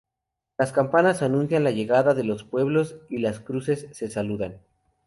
Las campanas anuncian la llegada de los pueblos y las cruces se saludan.